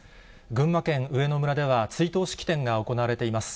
群馬県上野村では追悼式典が行われています。